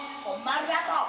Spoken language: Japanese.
ありがとう。